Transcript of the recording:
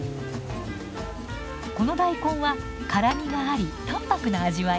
この大根は辛みがあり淡白な味わい。